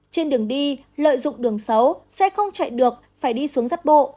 trên đường đi lợi dụng đường xấu xe không chạy được phải đi xuống rắt bộ